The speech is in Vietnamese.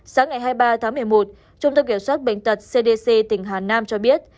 sáng ngày hai mươi ba tháng một mươi một trung tâm kiểm soát bệnh tật cdc tỉnh hà nam cho biết